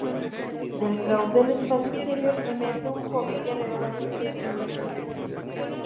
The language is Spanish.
Del caos del espacio exterior emerge un joven guerrero valiente, "Thunder Jet".